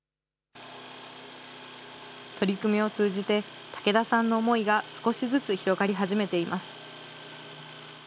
取り組みを通じて、竹田さんの思いが少しずつ広がり始めています。